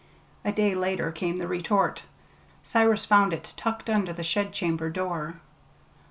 A day later came the retort. Cyrus found it tucked under the shed chamber door.